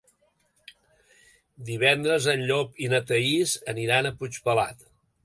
Divendres en Llop i na Thaís aniran a Puigpelat.